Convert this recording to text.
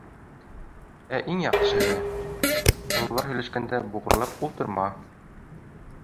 Ә иң яҡшыһы — ололар һөйләшкәндә буғырлап ултырма.